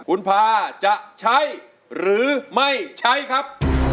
คุณพาจะใช้หรือไม่ใช้ครับ